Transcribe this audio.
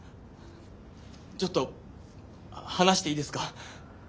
ちょっと話していいですか？